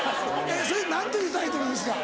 それ何というタイトルですか？